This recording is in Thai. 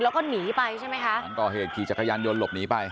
แล้วก็หนีไปใช่ไหมคะต่อเหตุพี่จะขยันโดนหลบหนีไป